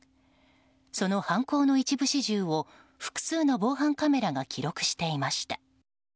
その犯行の一部始終を複数の防犯カメラが記録していました。